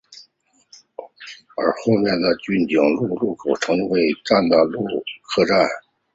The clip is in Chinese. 而后面的骏景路路口曾为本站的落客站。